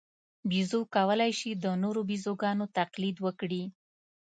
بیزو کولای شي د نورو بیزوګانو تقلید وکړي.